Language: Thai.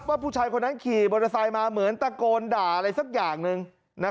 ผู้ชายคนนั้นขี่มอเตอร์ไซค์มาเหมือนตะโกนด่าอะไรสักอย่างหนึ่ง